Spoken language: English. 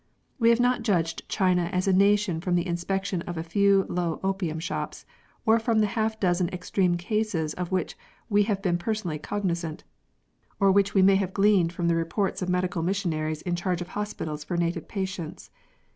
We have not judged China as a nation from the inspection of a few low opium shops, or from the half dozen extreme cases of which we may have been personally cognisant, or which we may have gleaned from the reports of medical missionaries in charge of hospitals for native patients.